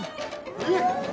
えっ！